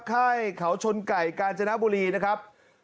ค่ายเขาชนไก่กาญจนบุรีนะครับ